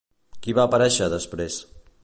Qui va aparèixer després?